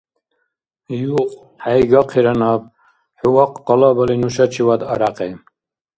Юх, хӀейгахъира наб хӀу вахъ къалабали нушачивад арякьи.